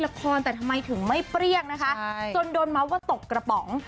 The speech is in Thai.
ละครแต่ทำไมถึงไม่เปรี้ยงนะคะจนโดนเมาส์ว่าตกกระป๋อง